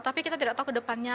tapi kita tidak tahu kedepannya